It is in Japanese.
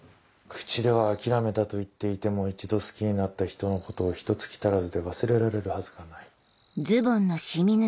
口では諦めたと言っていても一度好きになった人のことをひと月足らずで忘れられるはずがない。